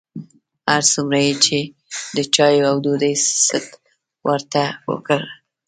هر څومره یې چې د چایو او ډوډۍ ست ورته وکړ.